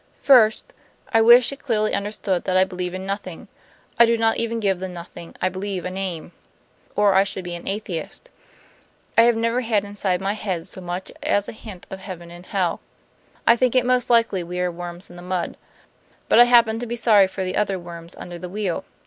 "First, I wish it clearly understood that I believe in nothing. I do not even give the nothing I believe a name; or I should be an atheist. I have never had inside my head so much as a hint of heaven and hell. I think it most likely we are worms in the mud; but I happen to be sorry for the other worms under the wheel.